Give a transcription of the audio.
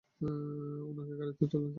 উনাকে গাড়িতে তুলেন, স্যার।